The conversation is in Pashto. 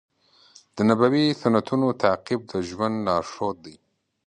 د نبوي سنتونو تعقیب د ژوند لارښود دی.